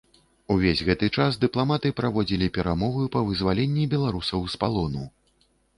Увесь гэты час дыпламаты праводзілі перамовы па вызваленні беларусаў з палону.